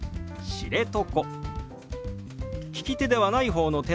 「知床」。